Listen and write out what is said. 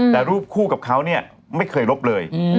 แต่รูปคู่กับเขาเนี่ยไม่เคยลบเลย